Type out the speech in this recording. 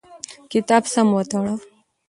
کتاب سم وتړه.